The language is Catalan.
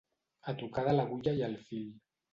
A tocar de l'agulla i el fil.